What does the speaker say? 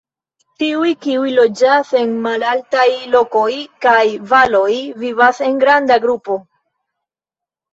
Tiuj, kiuj loĝas en malaltaj lokoj kaj valoj, vivas en granda grupo.